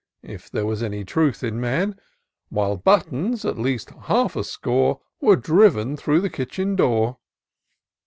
If there was any truth in man ; While buttons, at least half a score. Were driven through the kitchen door